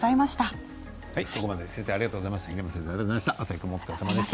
ここまで平山先生ありがとうございました。